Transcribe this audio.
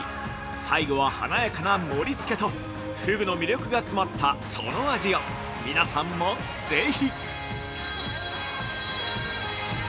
最後は華やかな盛り付けとふぐの魅力が詰まったその味を皆さんもぜひ！